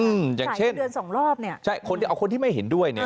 อย่างเช่นเดือนสองรอบเนี้ยใช่คนที่เอาคนที่ไม่เห็นด้วยเนี้ย